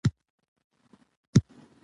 موږ باید د ستونزو پر مهال صبر او حوصله ولرو